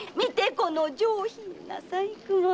この上品な細工物。